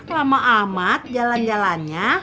lama amat jalan jalannya